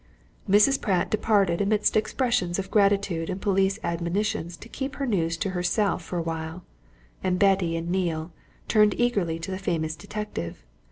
Mrs. Pratt departed amidst expressions of gratitude and police admonitions to keep her news to herself for awhile, and Betty and Neale turned eagerly to the famous detective.